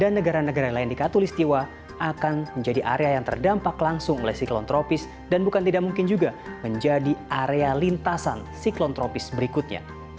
dan negara negara yang lain di katolik setiwa akan menjadi area yang terdampak langsung oleh siklon tropis dan bukan tidak mungkin juga menjadi area lintasan siklon tropis berikutnya